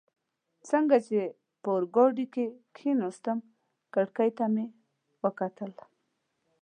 څنګه چي په اورګاډي کي کښېناستم، کړکۍ ته مې وکتل.